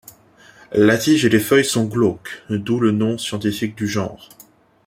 La tige et les feuilles sont glauques, d'où le nom scientifique du genre.